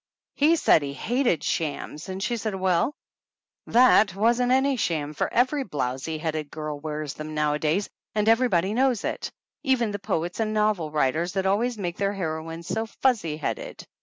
He said he hated shams, and she said well, that wasn't any sham for every blowsy headed girl wears them nowadays and everybody knows it, even the poets and novel writers that always make their heroines so fuzzy headed.